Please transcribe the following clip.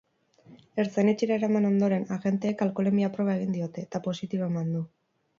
Ertzain-etxera eraman ondoren, agenteek alkoholemia-proba egin diote, eta positibo eman du.